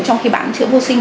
trong khi bạn chữa vô sinh